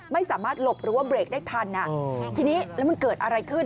ไม่สามารถหลบหรือว่าเบรกได้ทันทีแล้วมันเกิดอะไรขึ้น